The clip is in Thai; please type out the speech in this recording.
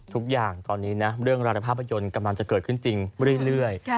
ทุกอย่างตอนนี้นะเรื่องราวภาพยนตร์กำลังจะเกิดขึ้นจริงเรื่อย